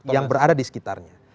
yang berada di sekitarnya